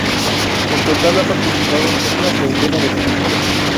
En total ha participado en una treintena de películas.